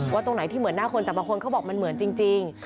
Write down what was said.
ตรงไหนที่เหมือนหน้าคนแต่บางคนเขาบอกมันเหมือนจริง